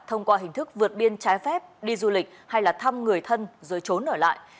thông qua hình thức vượt biên trái phép đi du lịch hay là thăm người thân rồi trốn ở lại